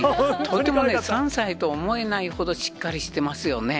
とてもね、３歳と思えないほどしっかりしてますよね。